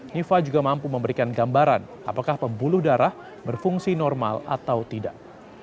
nifa juga mampu memberikan gambaran apakah pembuluh darah berfungsi normal atau tidak